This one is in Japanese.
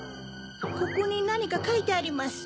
ここになにかかいてあります。